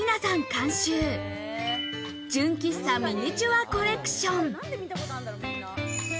監修、喫茶純ミニチュアコレクション。